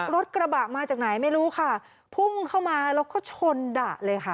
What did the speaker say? รถกระบะมาจากไหนไม่รู้ค่ะพุ่งเข้ามาแล้วก็ชนดะเลยค่ะ